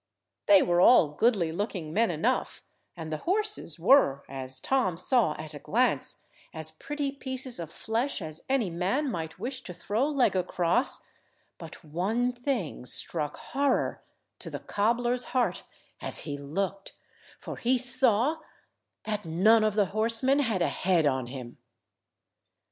They were all goodly looking men enough, and the horses were, as Tom saw at a glance, as pretty pieces of flesh as any man might wish to throw leg across, but one thing struck horror to the cobbler's heart as he looked, for he saw that none of the horsemen had a head on him.